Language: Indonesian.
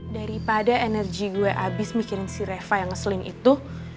daripada energi gue abis mikirin si reva yang slin itu